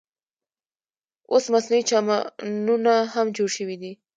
اوس مصنوعي چمنونه هم جوړ شوي دي.